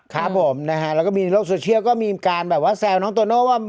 ครับผมนะฮะแล้วก็มีในโลกโซเชียลก็มีการแบบว่าแซวน้องโตโน่ว่า